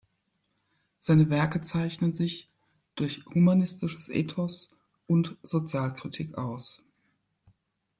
Seine Werke zeichnen sich durch humanistisches Ethos und Sozialkritik aus.